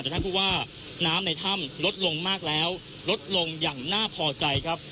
แต่ท่านผู้ว่าน้ำในถ้ำลดลงมากแล้วลดลงอย่างน่าพอใจครับ